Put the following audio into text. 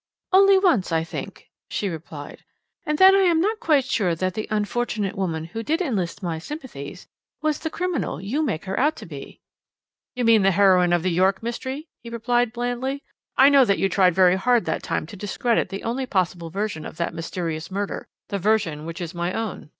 "Only once, I think," she replied, "and then I am not quite sure that the unfortunate woman who did enlist my sympathies was the criminal you make her out to be." "You mean the heroine of the York mystery?" he replied blandly. "I know that you tried very hard that time to discredit the only possible version of that mysterious murder, the version which is my own.